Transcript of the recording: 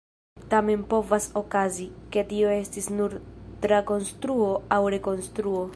Tamen povas okazi, ke tio estis nur trakonstruo aŭ rekonstruo.